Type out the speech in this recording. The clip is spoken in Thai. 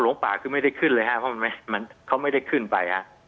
อ๋อหลงป่าคือไม่ได้ขึ้นเลยฮะเพราะมันมันเขาไม่ได้ขึ้นไปฮะ